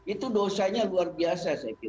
itu dosanya luar biasa saya kira